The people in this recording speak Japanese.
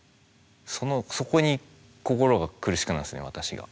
そのそこに心が苦しくなるんですね私が。